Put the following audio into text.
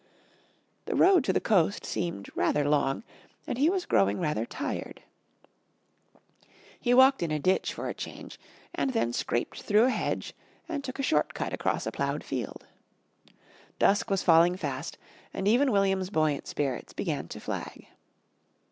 The road to the coast seemed rather long, and he was growing rather tired. He walked in a ditch for a change, and then scraped through a hedge and took a short cut across a ploughed field. Dusk was falling fast, and even William's buoyant spirits began to flag.